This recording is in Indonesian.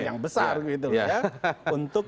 yang besar gitu ya untuk